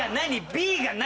「Ｂが何」